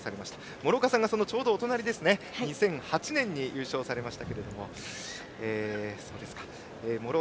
諸岡さんがちょうどお隣２００８年に優勝されました。